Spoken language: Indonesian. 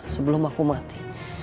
sebelum aku mati